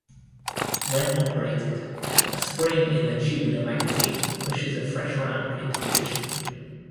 When operated, a spring in the tubular magazine pushes a fresh round into position.